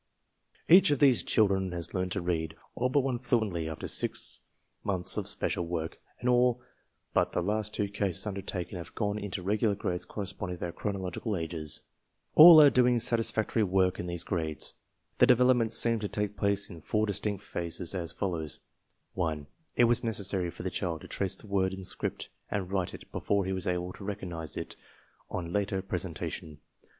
Each of these children has learned to read, all but one fluently, after six months of special work, and all but the last two cases undertaken have gone into the regular grades corresponding to their chronological ages. All are doing satisfactory work in these grades. The development seemed to take place in four distinct phases, as follows: (1) It was necessary for the child to trace the word in script and write it before he was able to recognize it on later presentation.